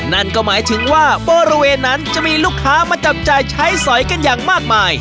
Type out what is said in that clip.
นั่นก็หมายถึงว่าบริเวณนั้นจะมีลูกค้ามาจับจ่ายใช้สอยกันอย่างมากมาย